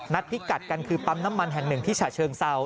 พิกัดกันคือปั๊มน้ำมันแห่งหนึ่งที่ฉะเชิงเซา